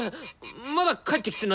まだ帰ってきてないみたい！